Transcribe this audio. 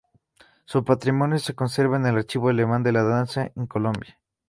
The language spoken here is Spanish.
Su patrimonio se conserva en el Archivo Alemán de la Danza, en Colonia.